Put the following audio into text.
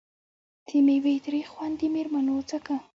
د میوې تریخ خوند یې مېرمنو څکه.